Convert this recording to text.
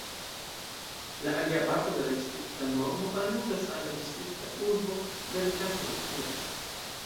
La alia parto de la distrikta nomo aludas al la distrikta urbo Bernkastel-Kues.